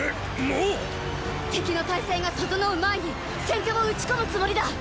もう⁉敵の態勢が整う前に先手を打ち込むつもりだっ！